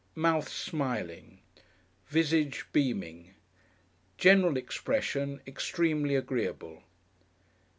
Mouth Smiling. Visage Beaming. General Expression Extremely agreeable.